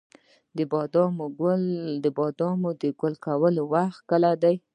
د بادامو د ګل کولو وخت کله دی؟